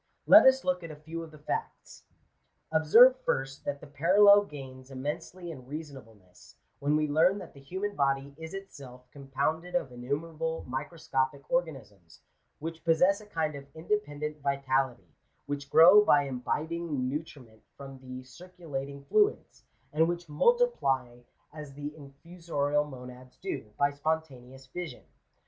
Let us look at a few of the facts. Digitized by VjOOQIC GENERAL CONSIDERATIONS. 449 Observe first, that the parallel gains immensely in reason ableness, when we learn that the human body is itself com pounded of innumerable microscopic organisms, which possess a kind of independent vitality, which grow by imbibing nutri ment from the circulating fluids, and whioh multiply, as the in fusorial monads do, by spontaneous fission.